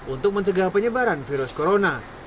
untuk mencegah penyebaran virus corona